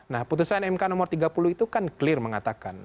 nah putusan mk nomor tiga puluh itu kan clear mengatakan